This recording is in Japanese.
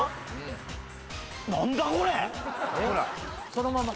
そのまま。